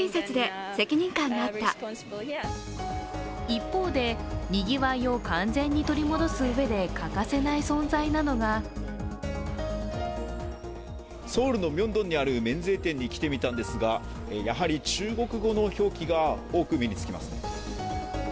一方で、にぎわいを完全に取り戻すうえで欠かせない存在なのがソウルのミョンドンにある免税店に来てみたんですが、やはり中国語の表記が多く目につきます。